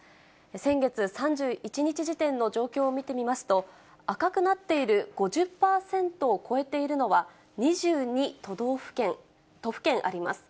先月３１日時点の状況を見てみますと、赤くなっている５０％を超えているのは、２２都府県あります。